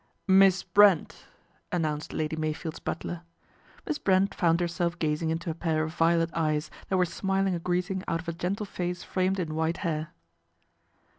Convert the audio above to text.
" Miss Brent !" announced Lady Meyfield's butler. Miss Brent foun I herself gazing into a pair of violet eyes that were smiling a greeting out of a gentle face framed in white hair.